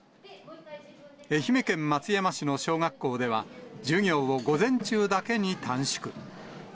愛媛県松山市の小学校では、授業を午前中だけに短縮。